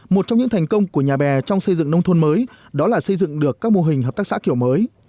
một trong những thành công của nhà bè trong xây dựng nông thôn mới đó là xây dựng được các mô hình hợp tác xã kiểu mới